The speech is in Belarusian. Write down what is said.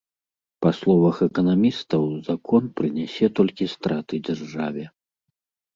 Па словах эканамістаў, закон прынясе толькі страты дзяржаве.